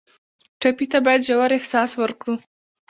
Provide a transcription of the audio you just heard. ټپي ته باید ژور احساس ورکړو.